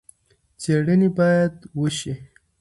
څېړنې باید وشي.